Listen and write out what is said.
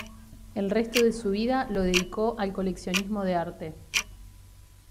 El resto de su vida lo dedicó al coleccionismo de arte.